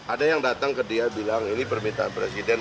ada yang datang ke dia bilang ini permintaan presiden